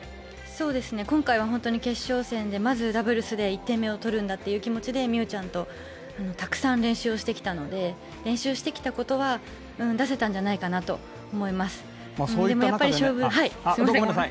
今回は決勝戦でまずダブルスで１点目を取るんだという気持ちで美宇ちゃんとたくさん練習をしてきたので練習してきたことは出せたんじゃないかなと思います。